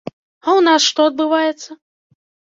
А ў нас што адбываецца?